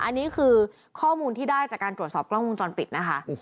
อันนี้คือข้อมูลที่ได้จากการตรวจสอบกล้องวงจรปิดนะคะ